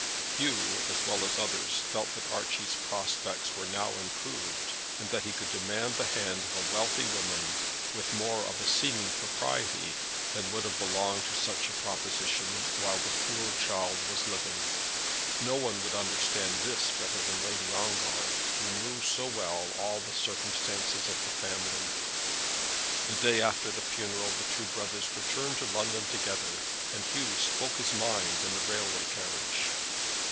Hugh, as well as others, felt that Archie's prospects were now improved, and that he could demand the hand of a wealthy lady with more of seeming propriety than would have belonged to such a proposition while the poor child was living. No one would understand this better than Lady Ongar, who knew so well all the circumstances of the family. The day after the funeral the two brothers returned to London together, and Hugh spoke his mind in the railway carriage.